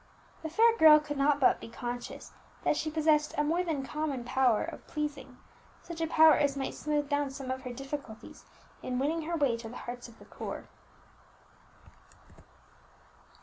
The fair girl could not but be conscious that she possessed a more than common power of pleasing, such a power as might smooth down some of her difficulties in winning her way to the hearts of the poor.